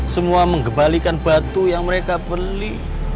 semua mengembalikan batu yang mereka beli